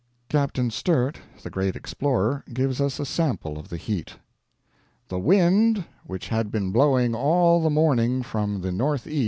Captain Sturt, the great explorer, gives us a sample of the heat. "The wind, which had been blowing all the morning from the N.E.